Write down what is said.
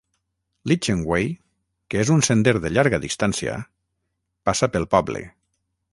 L'Itchen Way, que és un sender de llarga distància, passa pel poble.